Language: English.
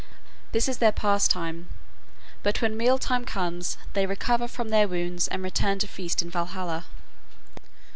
This is their pastime; but when meal time comes they recover from their wounds and return to feast in Valhalla.